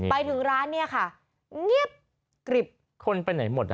ไปถึงร้านเนี่ยค่ะเงียบกริบคนไปไหนหมดอ่ะ